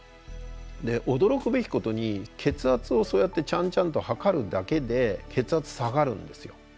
で驚くべきことに血圧をそうやってちゃんちゃんと測るだけで血圧下がるんですよ。